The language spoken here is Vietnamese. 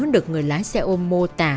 được người lái xe ôm mô tả